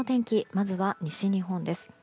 まずは西日本です。